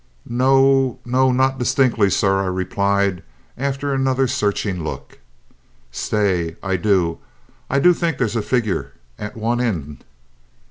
"No no not distinctly, sir," I replied after another searching look. "Stay; I do I do think there's a figure at one end!